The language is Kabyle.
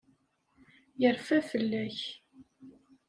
Yerfa fell-ak.